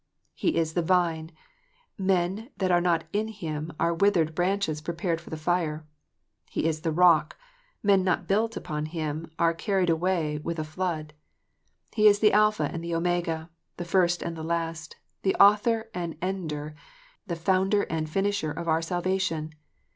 He is the vine : men that are not in Him are withered branches prepared for the fire. He is the rock : men not built on Him are carried away with a flood. He is the Alpha and Oinn/a, the first and the last, the author and ender, the founder and finisher of our salvation.